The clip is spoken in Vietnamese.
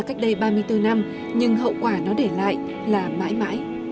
cách đây ba mươi bốn năm nhưng hậu quả nó để lại là mãi mãi